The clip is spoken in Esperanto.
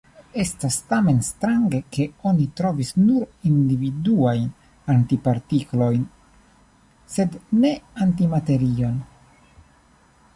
Estas tamen strange, ke oni trovis nur individuajn antipartiklojn, sed ne antimaterion.